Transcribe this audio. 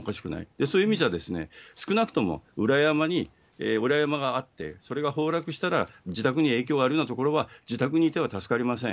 そういう意味では、少なくとも裏山があって、それが崩落したら、自宅に影響あるような所は、自宅にいては助かりません。